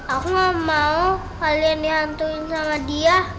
aku gak mau kalian dihantuin sama dia